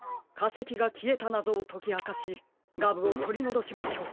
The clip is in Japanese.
せきがきえたなぞをときあかしガブをとりもどしましょう。